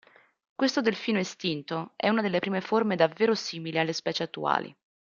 Questo delfino estinto è una delle prime forme davvero simili alle specie attuali.